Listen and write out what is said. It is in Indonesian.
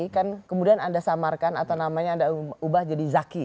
kan kemudian anda samarkan atau namanya anda ubah jadi zaki